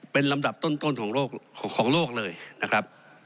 เป็นลำดับต้นของโลกเลยนะครับ